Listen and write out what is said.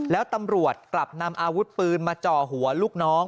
แล้วตำรวจกลับนำอาวุธปืนมาจ่อหัวลูกน้อง